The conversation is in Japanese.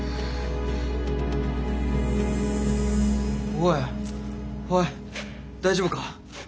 おいおい大丈夫か。